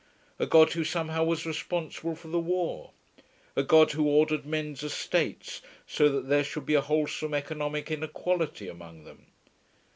A God who somehow was responsible for the war. A God who ordered men's estates so that there should be a wholesome economic inequality among them.